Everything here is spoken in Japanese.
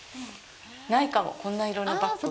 ないかも、こんな色のバッグ。